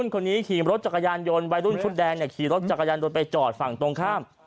ขี่รถจักรยานตัวไปจอดฝั่งตรงข้าม